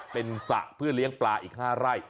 เป็นสระเพื่อเลี้ยงปลาอีก๕ไร่